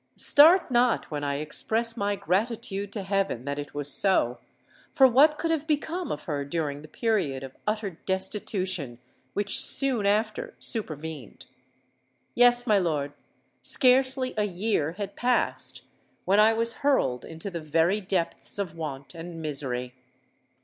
Start not when I express my gratitude to heaven that it was so; for what could have become of her during the period of utter destitution which soon after supervened? Yes, my lord: scarcely a year had passed, when I was hurled into the very depths of want and misery.